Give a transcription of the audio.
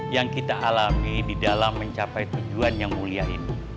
yang kita alami di dalam mencapai tujuan yang mulia ini